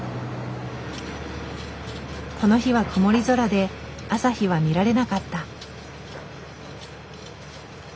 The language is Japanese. この日は曇り空で朝日は見られなかった。